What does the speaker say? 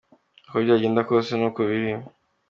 Uko byagenda kose ni uko biri.